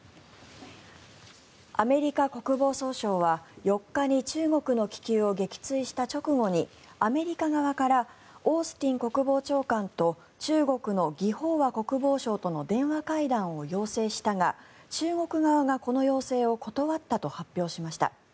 アメリカ国防総省は４日に中国の気球を撃墜した直後にアメリカ側からオースティン国防長官と中国のギ・ホウワ国防相との電話会談を要請したが中国側がこの要請を断ったと発表しました。